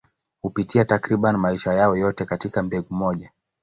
Hupitia takriban maisha yao yote katika mbegu moja.